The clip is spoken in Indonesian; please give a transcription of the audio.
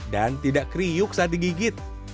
dan tidak kriuk saat digigit